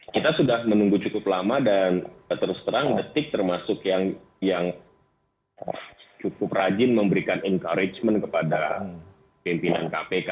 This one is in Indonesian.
kita sudah menunggu cukup lama dan terus terang detik termasuk yang cukup rajin memberikan encouragement kepada pimpinan kpk